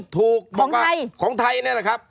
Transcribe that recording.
ถูกของไทยของไทยเนี่ยแหละครับ